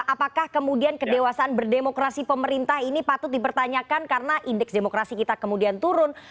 apakah kemudian kedewasaan berdemokrasi pemerintah ini patut dipertanyakan karena indeks demokrasi kita kemudian turun